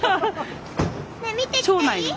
ねえ見てきていい？